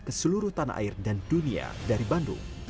ke seluruh tanah air dan dunia dari bandung